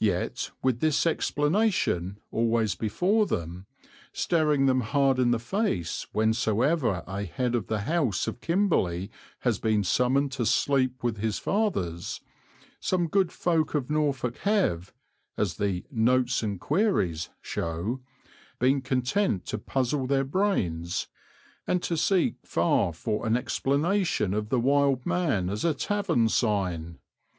Yet with this explanation always before them, staring them hard in the face whensoever a head of the house of Kimberley has been summoned to sleep with his fathers, some good folk of Norfolk have, as the Notes and Queries show, been content to puzzle their brains and to seek far for an explanation of the Wild Man as a tavern sign.